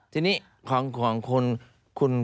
ทีนี้ของคุณ